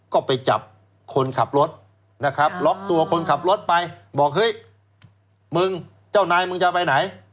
ก็ไปจับคนขับรถนะครับล็อกตัวคนขับรถไปบอกเฮ้ยมึงเจ้านายมึงจะไปไหน